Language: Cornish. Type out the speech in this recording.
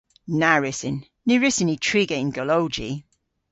Na wrussyn. Ny wrussyn ni triga yn golowji.